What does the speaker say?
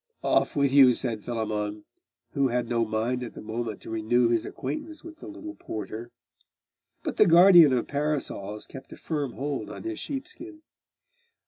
'Off with you!' said Philammon, who had no mind at the moment to renew his acquaintance with the little porter. But the guardian of parasols kept a firm hold on his sheepskin.